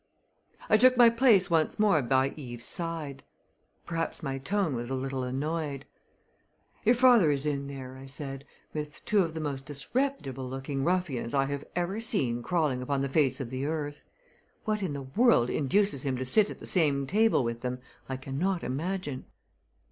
I took my place once more by Eve's side. Perhaps my tone was a little annoyed. "Your father is in there," I said, "with two of the most disreputable looking ruffians I have ever seen crawling upon the face of the earth. What in the world induces him to sit at the same table with them I cannot imagine."